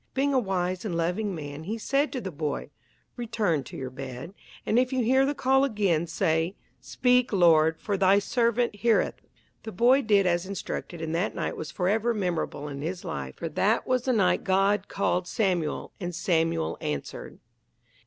Being a wise and loving man he said to the boy, "Return to your bed, and if you hear the call again, say, 'Speak, Lord, for thy servant heareth.'" The boy did as instructed and that night was forever memorable in his life, for that was the night God called Samuel and Samuel answered.